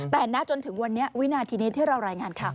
แต่ณจนถึงวันนี้วินาทีนี้ที่เรารายงานข่าว